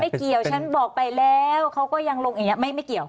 เกี่ยวฉันบอกไปแล้วเขาก็ยังลงอย่างนี้ไม่เกี่ยว